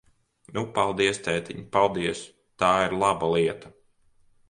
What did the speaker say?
Nu, paldies, tētiņ, paldies! Tā ir laba lieta!